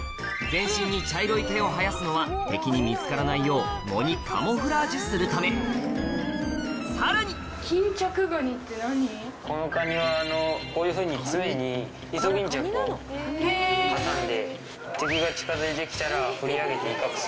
全身に茶色い毛を生やすのは敵に見つからないよう藻にカムフラージュするためさらにこのカニはこういうふうに常にイソギンチャクを挟んで敵が近づいて来たら振り上げて威嚇する。